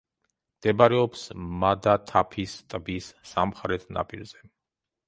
მდებარეობს მადათაფის ტბის სამხრეთ ნაპირზე.